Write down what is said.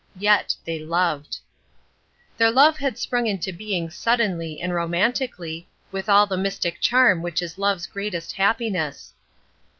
Yet they loved. Their love had sprung into being suddenly and romantically, with all the mystic charm which is love's greatest happiness.